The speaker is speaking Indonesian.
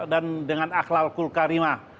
dan dengan akhlalkul karimah